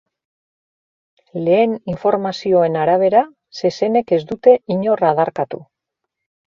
Lehen informazioen arabera, zezenek ez dute inor adarkatu.